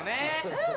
うん！